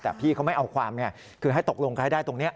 แต่พี่เขาไม่เอาความคือให้ตกลงกันให้ได้ตรงนี้